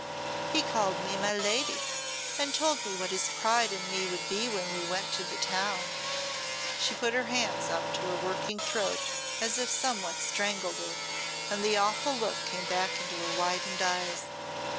He called me 'my lady' and told me what his pride in me would be when we went to the town." She put her hands up to her working throat as if somewhat strangled her, and the awful look came back into her widened eyes.